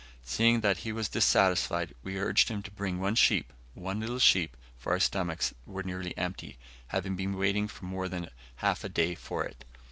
Seeing that he was dissatisfied, we urged him to bring one sheep one little sheep for our stomachs were nearly empty, having been waiting more than half a day for it.